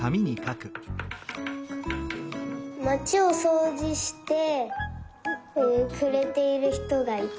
まちをそうじしてくれているひとがいた。